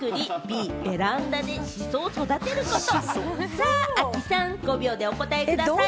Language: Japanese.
さぁ、亜希さん５秒でお答えください。